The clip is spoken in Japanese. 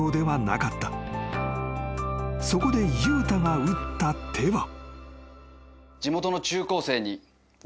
［そこで悠太が打った手は］